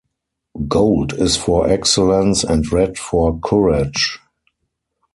Gold is for excellence and red for courage.